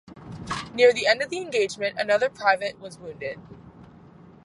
Near the end of the engagement, another Private was wounded.